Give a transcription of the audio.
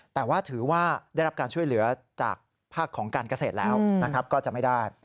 แต่ว่าถือว่าได้รับการช่วยเหลือจากภาคของการเกษตรแล้วก็จะไม่ได้